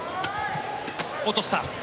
落とした。